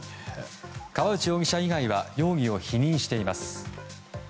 河内容疑者以外は容疑を否認しています。